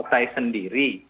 pada partai sendiri